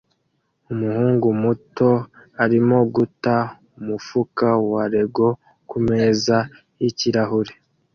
Umuhungu muto arimo guta umufuka wa Lego kumeza yikirahure